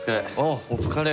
お疲れ。